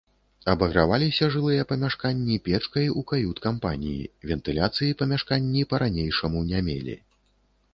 Абаграваліся жылыя памяшканні печкай у кают-кампаніі, вентыляцыі памяшканні па-ранейшаму не мелі.